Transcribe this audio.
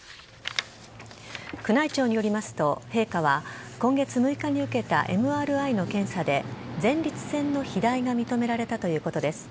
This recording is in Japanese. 宮内庁によりますと陛下は今月６日に受けたＭＲＩの検査で前立腺の肥大が認められたということです。